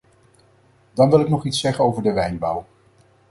Dan wil ik nog iets zeggen over de wijnbouw.